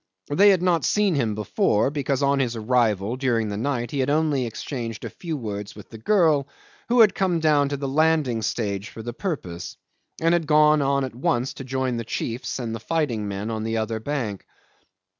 They had not seen him before, because on his arrival during the night he had only exchanged a few words with the girl, who had come down to the landing stage for the purpose, and had then gone on at once to join the chiefs and the fighting men on the other bank.